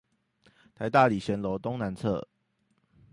臺大禮賢樓東南側